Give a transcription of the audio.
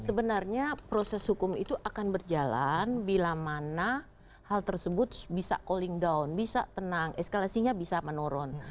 sebenarnya proses hukum itu akan berjalan bila mana hal tersebut bisa calling down bisa tenang eskalasinya bisa menurun